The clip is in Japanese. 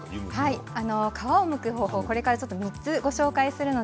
皮をむく方法を３つご紹介します。